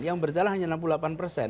yang berjalan hanya enam puluh delapan persen